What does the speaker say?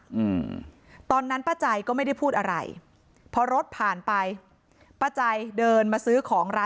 แต่จังหวะที่ผ่านหน้าบ้านของผู้หญิงคู่กรณีเห็นว่ามีรถจอดขวางทางจนรถผ่านเข้าออกลำบาก